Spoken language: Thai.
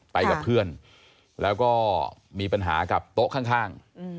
ไปกับเพื่อนแล้วก็มีปัญหากับโต๊ะข้าง